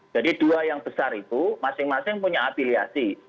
jadi dua yang besar itu masing masing punya afiliasi